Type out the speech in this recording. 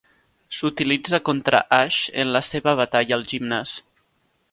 S'utilitza contra Ash en la seva batalla al gimnàs.